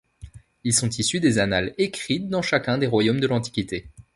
Ils sont issus des annales écrites dans chacun des royaumes de l'Antiquité.